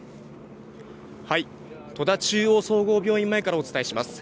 戸田中央総合病院前からお伝えします。